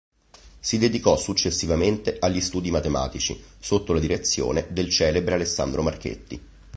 Si dedicò successivamente agli studi matematici, sotto la direzione del celebre Alessandro Marchetti.